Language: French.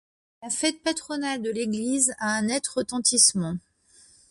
La fête patronale de l'église a un net retentissement.